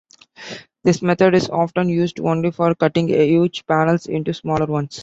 This method is often used only for cutting huge panels into smaller ones.